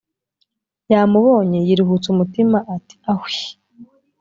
yamubonye yiruhutsa umutima ati ahwii